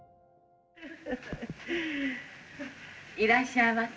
いらっしゃいませ。